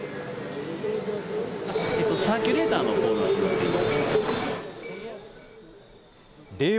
サーキュレーターのコーナーです。